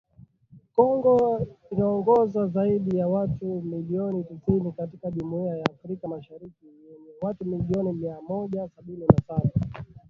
Kongo inaongeza zaidi ya watu milioni tisini katika Jumuiya ya Afrika Mashariki yenye watu milioni mia moja sabini na saba.